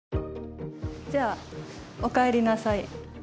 じゃあお帰りなさい。